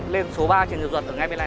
lên số ba trường dự luật ở ngay bên này